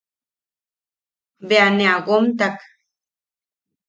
Bea ne a womtak.